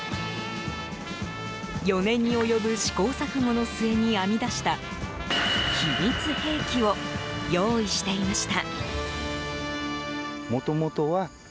４年に及ぶ試行錯誤の末に編み出した秘密兵器を用意していました。